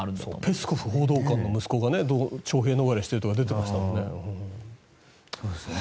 ペスコフ報道官の息子が徴兵逃れしてるとか出てましたもんね。